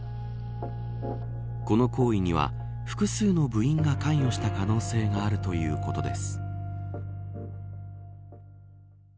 この行為には複数の部員が関与した可能性があるということです。